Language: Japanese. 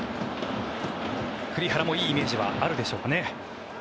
栗原もいいイメージはあるでしょうかね。